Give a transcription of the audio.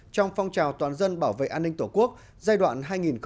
trong phong trào toàn dân bảo vệ an ninh tổ quốc giai đoạn hai nghìn sáu hai nghìn một mươi sáu